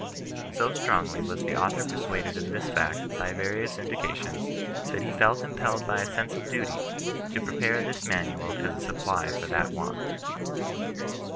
So strongly was the author persuaded of this fact by various indications, that he felt impelled by a sense of duty to prepare this Manual as a supply for that want.